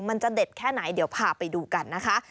มันจะเด็ดแค่ไหนเดี๋ยวพาไปดูกันนะคะ